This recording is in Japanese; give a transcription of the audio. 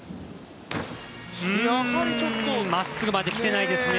やはりちょっと真っすぐができていないですね。